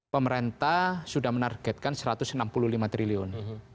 pemerintah sudah menargetkan rp satu ratus enam puluh lima triliun